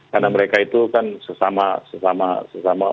karena mereka itu kan sesama sesama orang